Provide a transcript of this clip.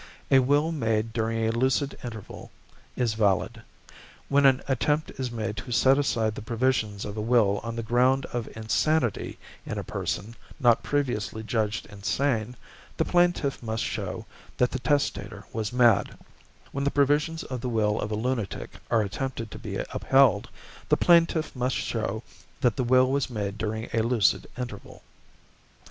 A will made during a lucid interval is valid. When an attempt is made to set aside the provisions of a will on the ground of insanity in a person not previously judged insane, the plaintiff must show that the testator was mad; when the provisions of the will of a lunatic are attempted to be upheld, the plaintiff must show that the will was made during a lucid interval.